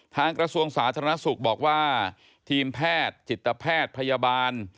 กระทรวงสาธารณสุขบอกว่าทีมแพทย์จิตแพทย์พยาบาล